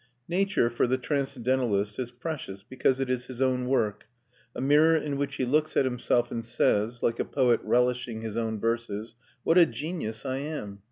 Nature, for the transcendentalist, is precious because it is his own work, a mirror in which he looks at himself and says (like a poet relishing his own verses), "What a genius I am!